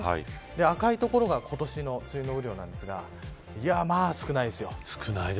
赤い所が今年の梅雨の雨量なんですがまあ、少ないですよ。